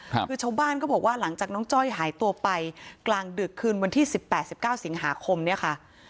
คือชาวบ้านก็บอกว่าหลังจากน้องจ้อยหายตัวไปกลางดึกคืนวันที่สิบแปดสิบเก้าสิงหาคมเนี่ยค่ะ